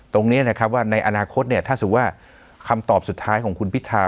ตรงนี้นะครับว่าในอนาคตถ้าสมมุติว่าคำตอบสุดท้ายของคุณพิธา